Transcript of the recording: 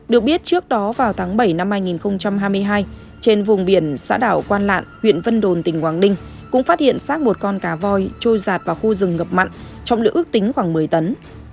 được biết trước đó vào tháng bảy năm hai nghìn hai mươi hai trên vùng biển xã đảo quan lạn huyện vân đồn tỉnh quảng ninh cũng phát hiện sát một con cá voi trôi giạt vào khu rừng ngập mặn trọng lượng ước tính khoảng một mươi tấn